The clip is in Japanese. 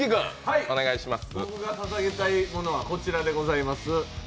ささげたいものはこちらでございます。